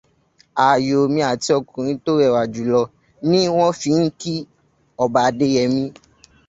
Ààyò mi àti ọkùnrin tó rẹwà jùlọ ní wọn fí ń ki ọba Adéyẹmí.